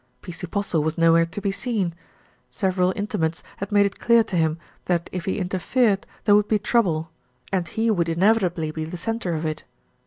P.C. Postle was nowhere to be seen. Several inti mates had made it clear to him that if he interfered there would be trouble, and he would inevitably be the centre of it.